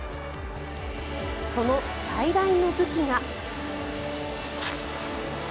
その最大の武器が。